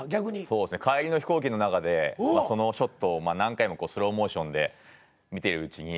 そうですね帰りの飛行機の中でそのショットを何回もスローモーションで見ているうちに。